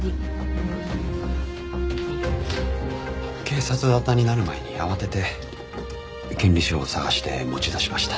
警察沙汰になる前に慌てて権利書を捜して持ち出しました。